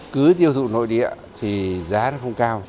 cứ tiêu thụ nội địa thì giá rất không cao